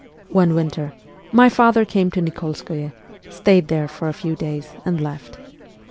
One winter, my father came to Nik61skoye, stayed there for a few days, and left.